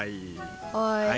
はい。